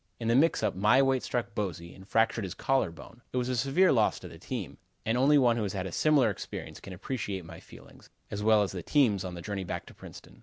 In the mixup my weight struck Bosey and fractured his collar bone. It was a severe loss to the team, and only one who has had a similar experience can appreciate my feelings, as well as the team's, on the journey back to Princeton.